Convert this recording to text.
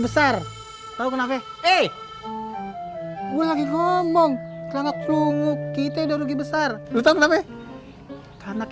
besar tahu kenapa eh gue lagi ngomong sangat lungu kita udah rugi besar betul kenapa kanak